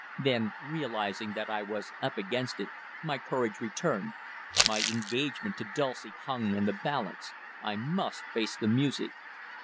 Then, realizing that I was "up against it," my courage returned. My engagement to Dulcie hung in the balance. I must face the music.